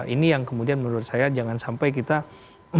ini yang kemudian menurut saya jangan sampai kita